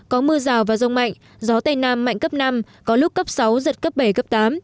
có mưa rào và rông mạnh gió tây nam mạnh cấp năm có lúc cấp sáu giật cấp bảy cấp tám